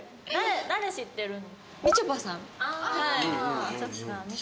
誰知ってるの？